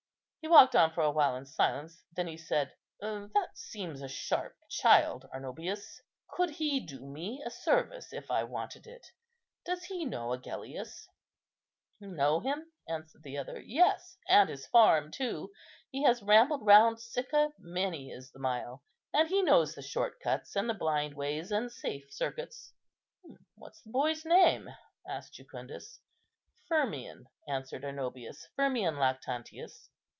He walked on for a while in silence; then he said, "That seems a sharp child, Arnobius. Could he do me a service if I wanted it? Does he know Agellius?" "Know him?" answered the other; "yes, and his farm too. He has rambled round Sicca, many is the mile. And he knows the short cuts, and the blind ways, and safe circuits." "What's the boy's name?" asked Jucundus. "Firmian," answered Arnobius. "Firmian Lactantius."